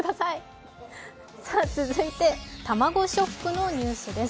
続いて卵ショップのニュースです。